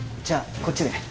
じゃあこっちへ。